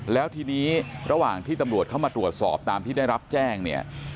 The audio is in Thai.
แล้วทีนี้ระหว่างที่ตำรวจเข้ามาตรวจสอบตามที่ได้รับแจ้งเนี่ย